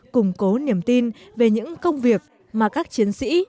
củng cố niềm tin về những công việc mà các chiến sĩ